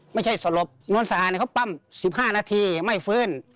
ไม่ใช่สลบโรงพยาบาลเขาปั้ม๑๕นาทีไม่ฟื้น